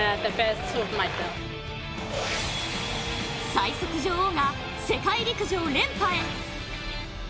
最速女王が世界陸上連覇へ。